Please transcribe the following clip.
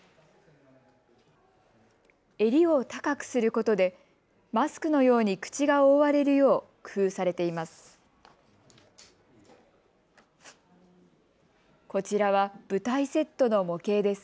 襟を高くすることでマスクのように口が覆われるよう工夫されています。